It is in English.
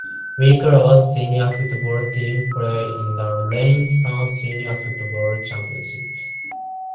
Wicklow's Senior Football team play in the Leinster Senior Football Championship.